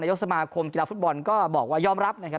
ยกสมาคมกีฬาฟุตบอลก็บอกว่ายอมรับนะครับ